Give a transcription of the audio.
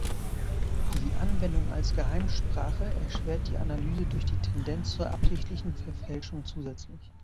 Die Anwendung als Geheimsprache erschwert die Analyse durch die Tendenz zur absichtlichen Verfälschung zusätzlich.